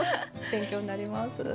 勉強になります。